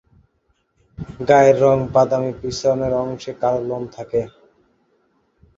গায়ের রং বাদামি, পেছনের অংশে কালো লোম থাকে।